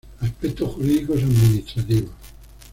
Aspectos jurídicos administrativos.